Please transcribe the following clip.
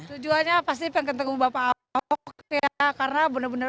tujuannya pasti penggantung bapak awok ya